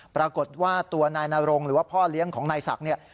ปรากฏว่าตัวนายนรงหรือว่าพ่อเลี้ยงของนายศักดิ์เนี่ย